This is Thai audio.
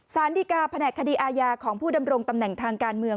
สารดีกาแผนกคดีอาญาของผู้ดำรงตำแหน่งทางการเมือง